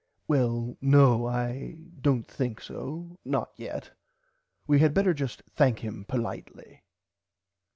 Well no I dont think so not yet we had better just thank him perlitely.